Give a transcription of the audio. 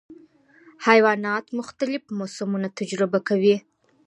حیوانات مختلف موسمونه تجربه کوي.